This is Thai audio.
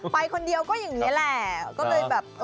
ไปคนเดียวก็อย่างนี้แหละ